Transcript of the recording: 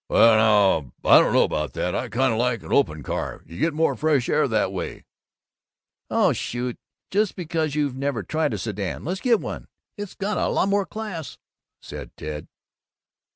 "Well now, I don't know about that. I kind of like an open car. You get more fresh air that way." "Oh, shoot, that's just because you never tried a sedan. Let's get one. It's got a lot more class," said Ted.